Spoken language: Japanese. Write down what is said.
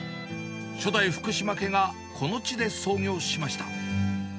初代ふくしま家がこの地で創業しました。